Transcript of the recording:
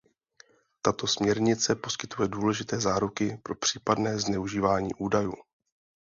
Tato směrnice poskytuje důležité záruky pro případné zneužívání údajů.